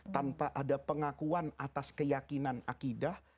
tanpa ada pengakuan atas keyakinan akidah